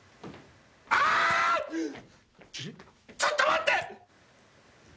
ちょっと待って。